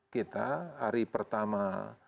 kita hari pertama